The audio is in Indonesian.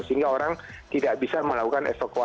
sehingga orang tidak bisa melakukan efek warna